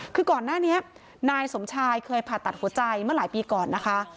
คือก่อนหน้านี้นายสมชายเคยผ่าตัดหัวใจเมื่อหลายปีก่อนนะคะ